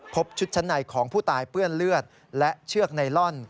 พบชุดชั้นในของผู้ตายเปื้อนเลือดและเชือกไนลอน